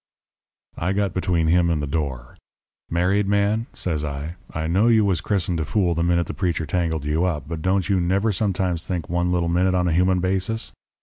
"I got between him and the door. "'Married man,' says I, 'I know you was christened a fool the minute the preacher tangled you up, but don't you never sometimes think one little think on a human basis?